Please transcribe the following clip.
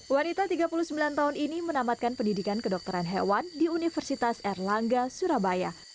wanita tiga puluh sembilan tahun ini menamatkan pendidikan kedokteran hewan di universitas erlangga surabaya